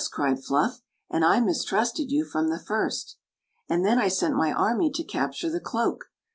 cried Fluff; "and I mistrusted you from the first" "And then I sent my army to capture the cloak.